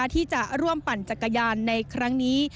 ที่จะร่วมปั่นจักรยานในครั้งนี้